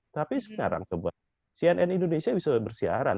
tapi sekarang coba cnn indonesia bisa bersiaran